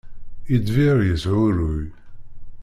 Itbir yeshuruy